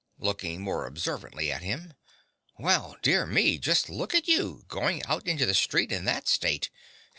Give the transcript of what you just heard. (Looking more observantly at him.) Well, dear me, just look at you, going out into the street in that state!